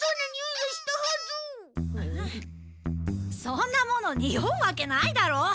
そんなものにおうわけないだろ。